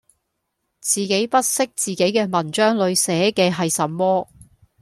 自己不悉自己嘅文章裡寫嘅係什麼